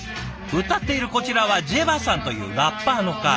歌っているこちらはＪＥＶＡさんというラッパーの方。